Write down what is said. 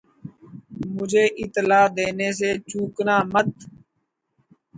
مجھے اطلاع دینے سے چوکنا مت